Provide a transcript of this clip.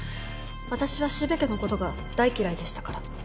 私は四部家の事が大嫌いでしたから。